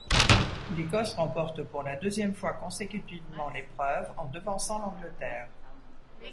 L'Écosse remporte pour la deuxième fois consécutivement l'épreuve en devançant l'Angleterre.